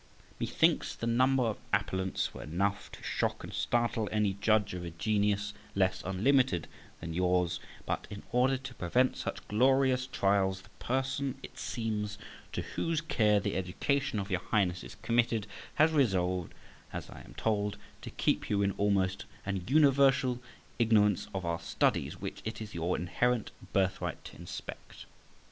Methinks the number of appellants were enough to shock and startle any judge of a genius less unlimited than yours; but in order to prevent such glorious trials, the person, it seems, to whose care the education of your Highness is committed, has resolved, as I am told, to keep you in almost an universal ignorance of our studies, which it is your inherent birthright to inspect.